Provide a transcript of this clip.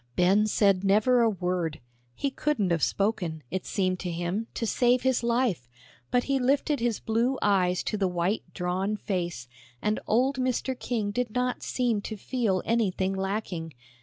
Ben said never a word; he couldn't have spoken, it seemed to him, to save his life, but he lifted his blue eyes to the white, drawn face, and old Mr. King did not seem to feel anything lacking.